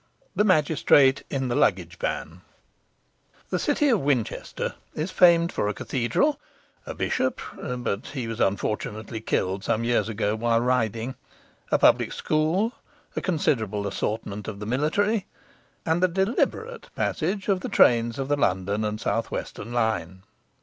The Magistrate in the Luggage Van The city of Winchester is famed for a cathedral, a bishop but he was unfortunately killed some years ago while riding a public school, a considerable assortment of the military, and the deliberate passage of the trains of the London and South Western line.